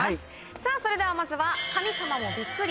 さぁそれではまずは神様もビックリ⁉